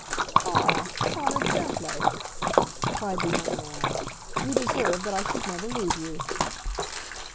"Ah, par exemple!" cried the young man. "You deserve that I should never leave you."